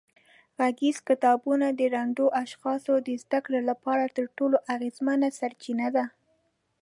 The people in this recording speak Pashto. غږیز کتابونه د ړندو اشخاصو د زده کړې لپاره تر ټولو اغېزمنه سرچینه ده.